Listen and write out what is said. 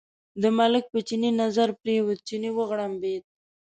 د ملک په چیني نظر پرېوت، چیني وغړمبېد.